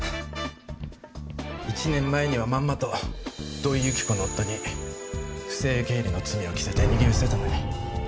１年前にはまんまと土井由紀子の夫に不正経理の罪を着せて逃げ失せたのに。